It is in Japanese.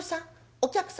お客様。